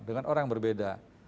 dengan orang yang berbeda